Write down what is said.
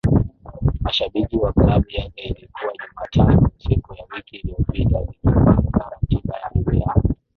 mashabiki wa klabu yake Ilikuwa Jumatano usiku ya wiki iliyopita nikipanga ratiba yangu ya